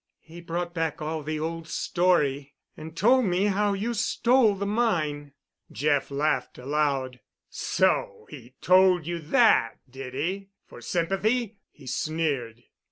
He brought back all the old story—and told me how you stole the mine." Jeff laughed aloud. "So he told you that—did he? For sympathy?" he sneered.